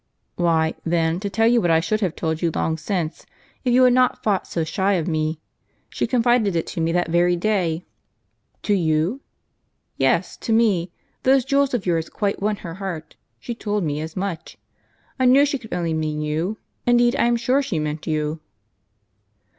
" Why, then, to tell you what I should have told you long w since, if you had not fought so shy of me, she eonMed it to me that very day." " To you ?" "Yes, to me; those jewels of yours quite won her heart. She told me as much. I knew she could only mean you. Indeed, I am sure she meant you."